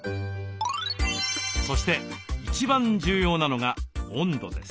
そして一番重要なのが温度です。